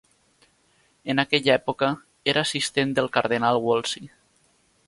En aquella època, era assistent del cardenal Wolsey.